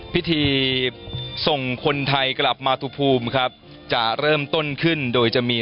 พิธีส่งคนไทยกลับมาทุภูมิครับจะเริ่มต้นขึ้นโดยจะมี